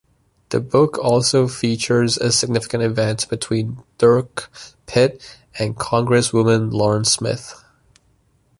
The book also features a significant event between Dirk Pitt and Congresswoman Loren Smith.